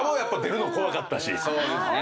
そうですね。